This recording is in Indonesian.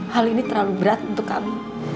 hal ini terlalu berat untuk kami